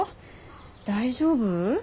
大丈夫？